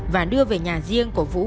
và đưa về nhà riêng của vũ